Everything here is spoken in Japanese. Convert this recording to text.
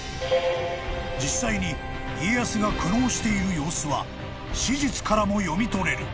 ［実際に家康が苦悩している様子は史実からも読み取れる］